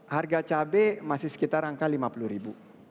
harga cabai masih sekitar angka lima puluh ribu